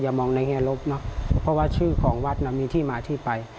มองในแง่ลบเนอะเพราะว่าชื่อของวัดน่ะมีที่มาที่ไป